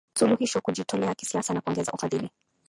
suluhisho kujitolea kisiasa na kuongeza ufadhili